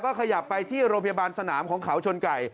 ขยับไปที่โรงพยาบาลสนามของเขาชนไก่